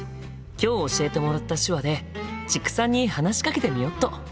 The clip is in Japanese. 今日教えてもらった手話で知久さんに話しかけてみよっと！